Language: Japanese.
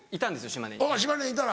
島根にいたら？